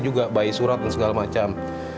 juga bayi surat dan segala macam